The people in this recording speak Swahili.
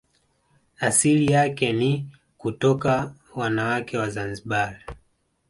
Asili yake ni ni kutoka wanawake wa Zanzibar